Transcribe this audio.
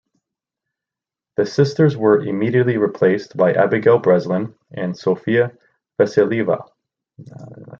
The sisters were immediately replaced by Abigail Breslin and Sofia Vassilieva.